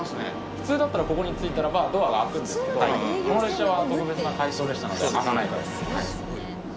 普通だったらここに着いたらばドアが開くんですけどこの列車は特別な回送列車なので開かないと。